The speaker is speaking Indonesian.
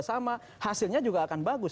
sama hasilnya juga akan bagus